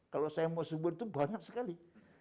kalau saya mau subur itu banyak sekali